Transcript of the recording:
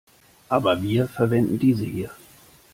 Aber wir verwenden diese hier.